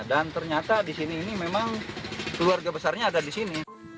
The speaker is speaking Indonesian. dan ternyata di sini ini memang keluarga besarnya ada di sini